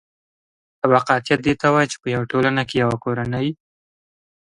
طبقاتیت دې ته وايي چې په ټولنه کې یوه کورنۍ